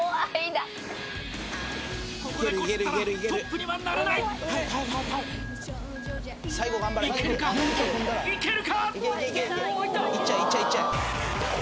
ここでこすったらトップにはなれないいけるかいけるか？